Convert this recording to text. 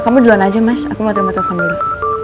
kamu duluan aja mas aku mau terima telepon dulu